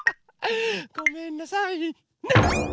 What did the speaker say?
ごめんなさいね！